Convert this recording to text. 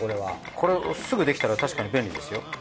これすぐできたら確かに便利ですよ。